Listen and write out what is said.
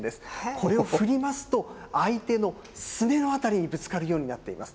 これを振りますと、相手のすね辺りにぶつかるようになっています。